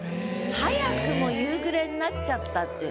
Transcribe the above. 早くも夕暮れになっちゃったっていう。